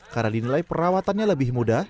karena dinilai perawatannya lebih mudah